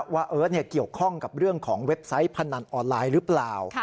ว่าเอิร์ทเกี่ยวข้องกับเรื่องของเว็บไซต์พนันออนไลน์หรือเปล่า